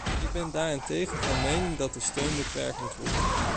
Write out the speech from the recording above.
Ik ben daarentegen van mening dat de steun beperkt moet worden.